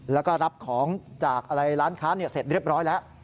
แล้วก็รับของจากร้านค้าเสร็จเรียบร้อยแล้ว